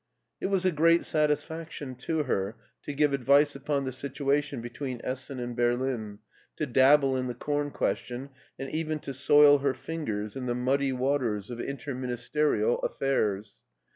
It was a great satisfaction to her to give advice upon the situation between Essen and Berlin, to dabble in the com question, and even to soil her fingers in the muddy waters of interminis^ BERLIN 171 terial affairs.